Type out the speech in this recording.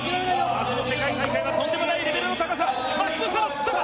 初の世界大会がとんでもないレベルの高さマッシモ・スタノつったか？